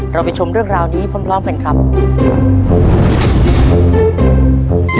ไปชมเรื่องราวนี้พร้อมกันครับ